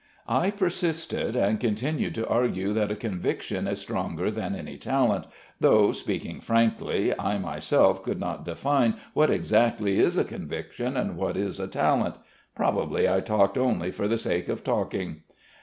"I persisted and continued to argue that a conviction is stronger than any talent, though, speaking frankly, I myself could not define what exactly is a conviction and what is a talent. Probably I talked only for the sake of talking.